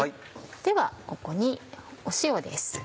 ではここに塩です。